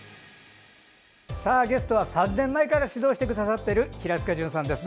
ゲストは３年前から指導してくださっている平塚潤さんです。